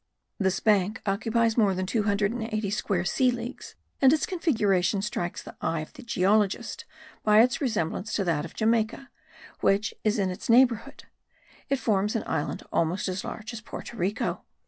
This bank occupies more than two hundred and eighty square sea leagues and its configuration strikes the eye of the geologist by its resemblance to that of Jamaica, which is in its neighbourhood. It forms an island almost as large as Porto Rico.